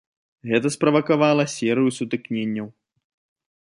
Гэта справакавала серыю сутыкненняў.